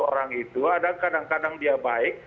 orang itu ada kadang kadang dia baik